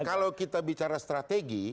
kalau kita bicara strategi